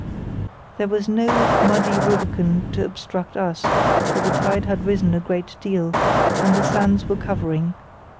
There was now no muddy Rubicon to obstruct us, for the tide had risen a good deal, and the sands were covering.